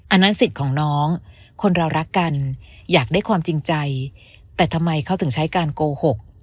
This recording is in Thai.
อันนั้นสิทธิ์ของน้องคนเรารักกันอยากได้ความจริงใจแต่ทำไมเขาถึงใช้การโกหก